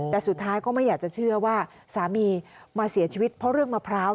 แต่สุดท้ายก็ไม่อยากจะเชื่อว่าสามีมาเสียชีวิตเพราะเรื่องมะพร้าว